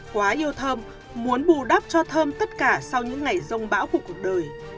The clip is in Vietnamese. quá yêu thơm muốn bù đắp cho thơm tất cả sau những ngày dông bão của cuộc đời